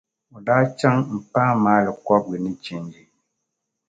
O daa chaŋ m-paai maali kɔbiga ni changi.